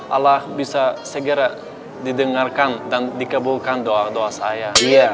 allah bisa segera didengarkan dan dikebulkan doa doa saya